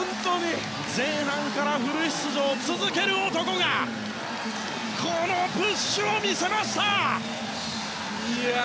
前半からフル出場を続ける男がこのプッシュを見せました！